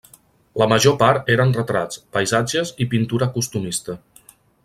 La major part eren retrats, paisatges i pintura costumista.